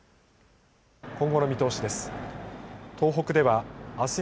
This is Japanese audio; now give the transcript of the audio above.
今後の見通しです。